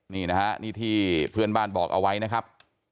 นี่นะฮะนี่ที่เพื่อนบ้านบอกเอาไว้นะครับ